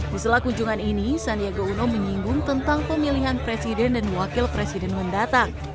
di selakunjungan ini sandiaga uno menyinggung tentang pemilihan presiden dan wakil presiden mendatang